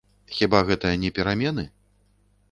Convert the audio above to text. Хіба гэта не перамены?